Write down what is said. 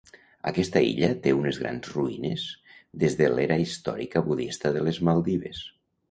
Aquesta illa té unes grans ruïnes des de l'era històrica budista de les Maldives.